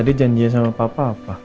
tadi janjian sama papa apa